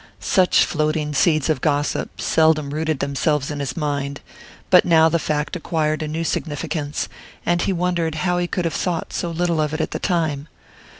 Such floating seeds of gossip seldom rooted themselves in his mind, but now the fact acquired a new significance, and he wondered how he could have thought so little of it at the time.